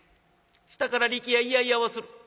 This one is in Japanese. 下から力弥『いやいや』をする。